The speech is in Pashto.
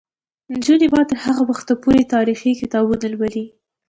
نجونې به تر هغه وخته پورې تاریخي کتابونه لولي.